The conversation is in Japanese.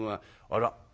あら？